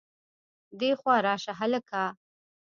دېخوا راشه هلکه